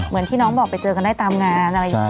เหมือนที่น้องบอกไปเจอกันได้ตามงานอะไรอย่างนี้